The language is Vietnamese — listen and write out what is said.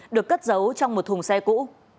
được cất giấu trong một thùng xe cũ